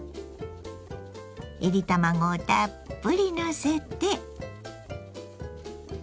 いり卵をたっぷりのせて。